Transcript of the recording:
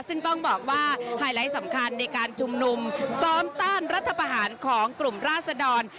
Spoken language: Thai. ซึ่งต้องบอกว่าไฮไลท์สำคัญในการชุมนุมซ้อมต้านรัฐประหารของกลุ่มราศดร